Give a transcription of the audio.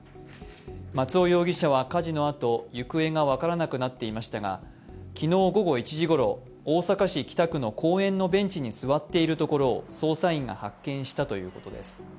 松尾容疑者は火事の後、行方が分からなくなっていましたが昨日午後１時ごろ、大阪市北区の公園のベンチに座っているところを捜査員が発見したということです。